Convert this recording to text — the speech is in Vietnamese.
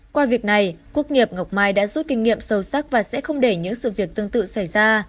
qua việc này quốc nghiệp ngọc mai đã rút kinh nghiệm sâu sắc và sẽ không để những sự việc tương tự xảy ra